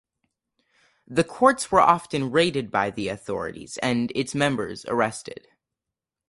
The courts were often raided by the authorities and its members arrested.